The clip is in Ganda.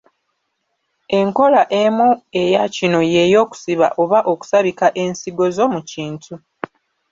Enkola emu eya kino ye y’okusiba/okusabika ensigo zo mu kintu.